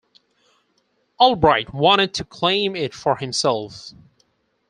Albright wanted to claim it for himself.